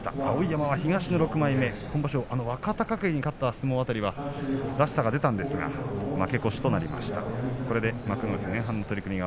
碧山は今場所、若隆景に勝った相撲辺りはらしさが出たんですが負け越しとなりました。